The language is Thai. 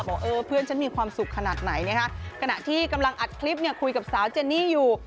ว่าเออเพื่อนฉันมีความสุขขนาดไหนนะคะขณะที่กำลังอัดคลิปเนี่ยคุยกับสาวเจนี่อยู่